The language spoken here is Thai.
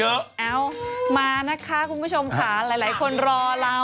เอามานะคะคุณผู้ชมค่ะหลายคนรอเรา